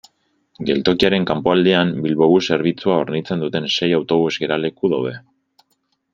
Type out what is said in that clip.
Geltokiaren kanpoaldean Bilbobus zerbitzua hornitzen duten sei autobus geraleku daude.